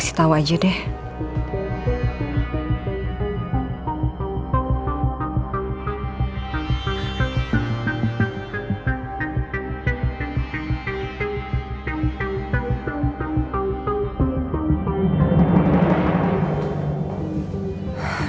siap dari barbecue